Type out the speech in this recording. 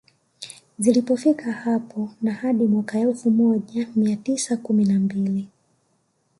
Zilizofika hapo na hadi mwaka elfu moja mia tisa kumi na mbili